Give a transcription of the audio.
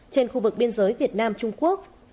trên khu vực biên giới việt nam trung quốc